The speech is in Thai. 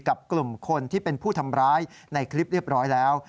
กับกลุ่มคนที่เป็นผู้ทำร้ายในคลิปเรียบร้อยแล้ว